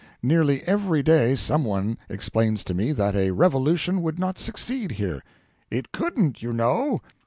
Nearly every day some one explains to me that a revolution would not succeed here. 'It couldn't, you know.